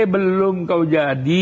belum kau jadi